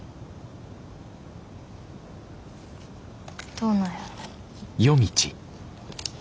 どうなんやろ。